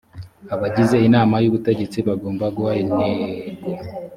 abagize inama y ubutegetsi bagomba guha intego